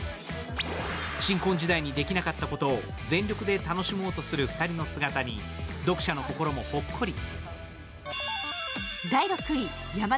新婚時代にできなかったことを全力で楽しもうとする２人の姿に読者の心もほっこり。